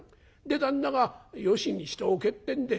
で旦那がよしにしておけってんで